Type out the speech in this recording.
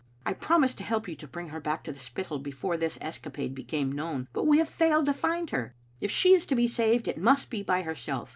I promised to help you to bring her back to the Spittal before this escapade be came known, but we have failed to find her. If she is to be saved, it must be by herself.